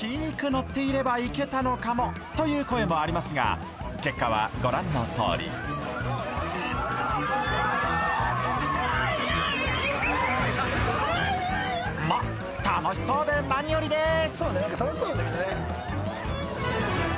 乗っていればいけたのかもという声もありますが結果はご覧のとおりまっ楽しそうで何よりでーす！